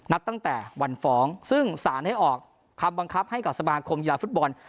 นับตั้งแต่วันฟ้องซึ่งสารได้ออกคำบังคับให้กับสมาคมกีฬาฟุตบอล